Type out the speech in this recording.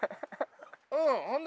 うん。